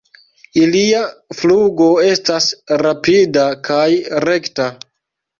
Ilia flugo estas rapida kaj rekta.